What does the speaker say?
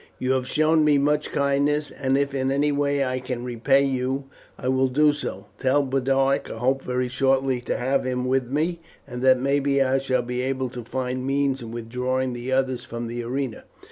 You have shown me much kindness, and if in any way I can repay you I will do so. Tell Boduoc I hope very shortly to have him with me, and that maybe I shall be able to find means of withdrawing the others from the arena."